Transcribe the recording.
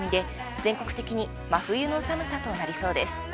全国的に真冬の寒さとなりそうです。